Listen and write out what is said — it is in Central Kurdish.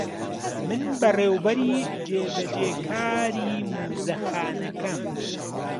من بەڕێوەبەری جێبەجێکاری مۆزەخانەکەم.